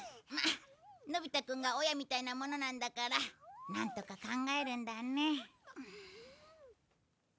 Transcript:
まあのび太くんが親みたいなものなんだからなんとか考えるんだね。